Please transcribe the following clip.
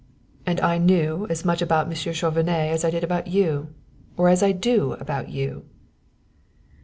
"And I knew as much about Monsieur Chauvenet as I did about you, or as I do about you!"